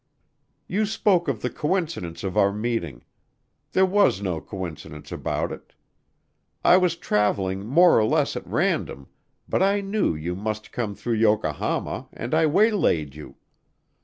You spoke of the coincidence of our meeting. There was no coincidence about it. I was traveling more or less at random, but I knew you must come through Yokohama and I waylaid you.